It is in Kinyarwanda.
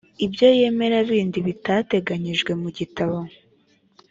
ibyo yemera bindi bitateganyijwe mu gitabo